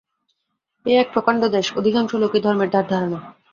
এ একটা প্রকাণ্ড দেশ, অধিকাংশ লোকই ধর্মের ধার ধারে না।